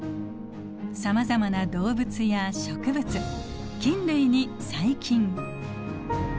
さまざまな動物や植物菌類に細菌。